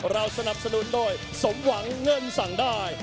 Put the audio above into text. เราสนับสนุนโดยสมหวังเงินสั่งได้